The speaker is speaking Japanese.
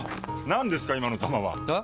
何ですか今の球は！え？